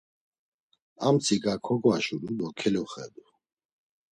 Amtsika kogvaşuru do keluxedu.